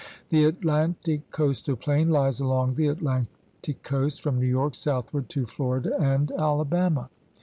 The Atlantic coastal plain lies along the Atlantic coast from New York southward to Florida and Alabama.